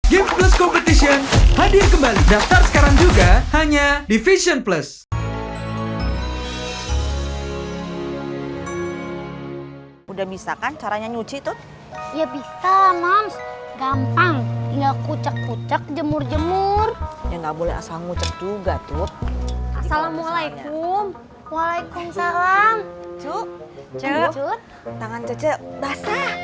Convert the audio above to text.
game plus competition hadir kembali daftar sekarang juga hanya di vision plus